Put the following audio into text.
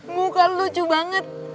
muka lu lucu banget